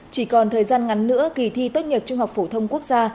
chỉ còn thời gian ngắn nữa kỳ thi tốt nghiệp trung học phổ thông quốc gia